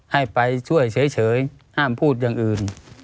ให้ไปช่วยเฉยห้ามพูดอย่างอื่น